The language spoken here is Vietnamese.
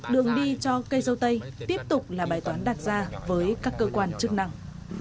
đường đi cho cây dâu tây tiếp tục là bài toán đặt ra với các cơ quan chức năng